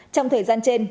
trong thời gian trên